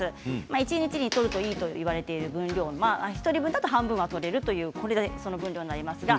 一日とるといいといわれている分量を１人分だと半分がとれるというものになります。